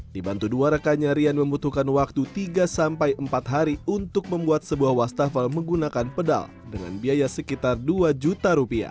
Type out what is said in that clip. dibantu dua rekannya rian membutuhkan waktu tiga sampai empat hari untuk membuat sebuah wastafel menggunakan pedal dengan biaya sekitar rp dua